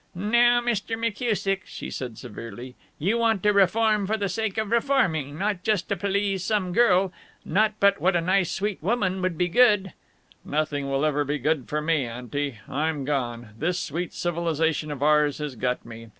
"Now, Mr. McKusick," she said, severely, "you want to reform for the sake of reforming, not just to please some girl not but what a nice sweet woman would be good " "Nothing will ever be good for me, aunty. I'm gone. This sweet civilization of ours has got me.